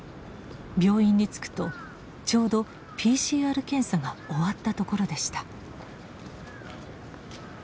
病院に着くとちょうどＰＣＲ検査が終わったところでした。